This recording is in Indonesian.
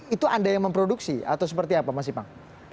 itu anda yang memproduksi atau seperti apa mas ipang